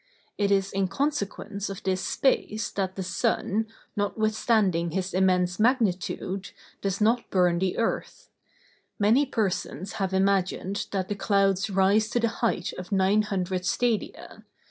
It is in consequence of this space that the sun, notwithstanding his immense magnitude, does not burn the earth. Many persons have imagined that the clouds rise to the height of nine hundred stadia.